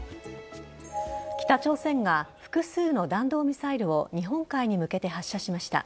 北朝鮮が複数の弾道ミサイルを日本海に向けて発射しました。